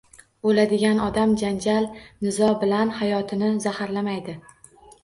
O`ladigan odam janjal, nizo bilan hayotini zaharlamaydi